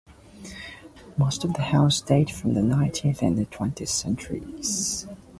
Most of the houses date from the nineteenth and twentieth centuries.